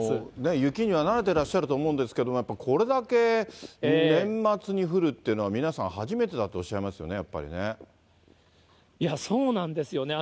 雪には慣れてらっしゃると思うんですけれども、やっぱりこれだけ年末に降るっていうのは、皆さん初めてだとおっしゃいますよいや、そうなんですよ。